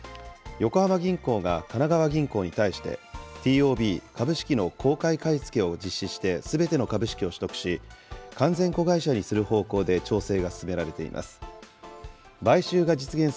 横浜銀行が神奈川銀行に対して、ＴＯＢ・株式の公開買い付けを実施して、すべての株式を取得し、完全子会社にする方向で調整が進められています。